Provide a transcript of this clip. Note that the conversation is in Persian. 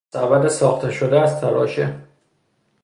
سبد ساخته شده از تراشه